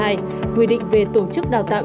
nguyên định về tổ chức đào tạo